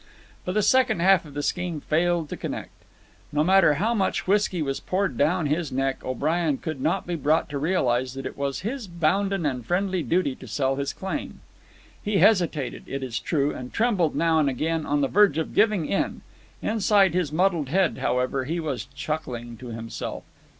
But the second half of the scheme failed to connect. No matter how much whisky was poured down his neck, O'Brien could not be brought to realize that it was his bounden and friendly duty to sell his claim. He hesitated, it is true, and trembled now and again on the verge of giving in. Inside his muddled head, however, he was chuckling to himself.